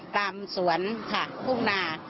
ตามสวนค่ะภูกนา